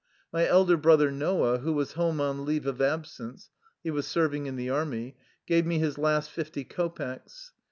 My elder brother Noah, who was home on leave of absence, — he was serving in the army — gave me his last fifty kopecks.